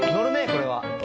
これは。